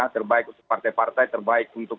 terbaik untuk partai partai terbaik untuk